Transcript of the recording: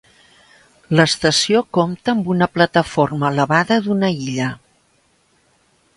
L'estació compta amb una plataforma elevada d'una illa.